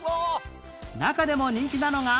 中でも人気なのが